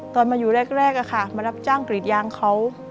ตอนมาอยู่แรกมารับจ้างกรีดยางเขา